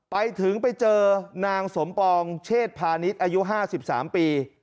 ไปถึงไปเจอนางสมปองเชษพาณิชย์อายุ๕๓ปี